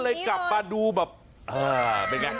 เลยกลับมาดูแบบเป็นไง